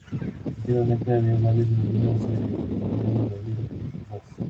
Antiguamente había varios molinos harineros movidos por sus aguas.